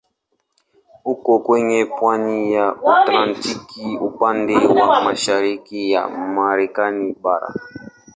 Uko kwenye pwani ya Atlantiki upande wa mashariki ya Marekani bara.